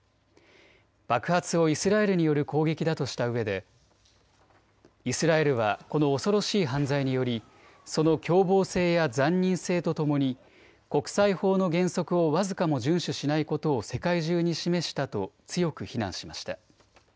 爆発をイスラエルによる攻撃だとしたうえでイスラエルはこの恐ろしい犯罪によりその凶暴性や残忍性とともに国際法の原則を僅かも順守しないことを世界中に示したと強く非難しました。